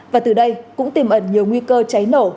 và từ đây cũng tìm ẩn nhiều nguy cơ cháy nổ